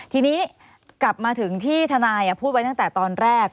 ทีนี้กลับมาถึงที่ทนายพูดไว้ตั้งแต่ตอนแรก